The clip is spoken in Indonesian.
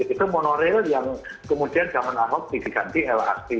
itu monorail yang kemudian zaman ahok diganti lrt